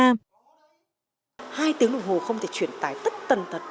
hai tiếng đồng hồ không thể chuyển tài tất tần tật